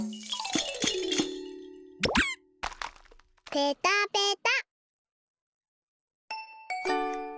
ペタペタ。